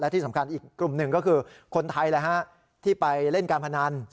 ที่สำคัญอีกกลุ่มหนึ่งก็คือคนไทยที่ไปเล่นการพนัน